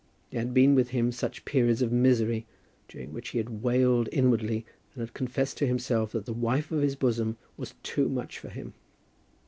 There had been with him such periods of misery, during which he had wailed inwardly and had confessed to himself that the wife of his bosom was too much for him.